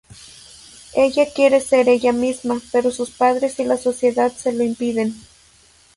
Ella quiere ser ella misma, pero sus padres y la sociedad se lo impiden.